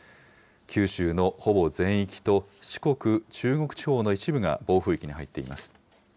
九州のほぼ全域と、四国、中国地方の一部が暴風域に入っています。